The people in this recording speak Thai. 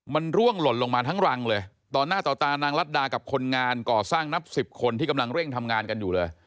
มันร่วงหล่นลงมาทั้งรังเลยต่อหน้าต่อตานางรัฐดากับคนงานก่อสร้างนับสิบคนที่กำลังเร่งทำงานกันอยู่เลย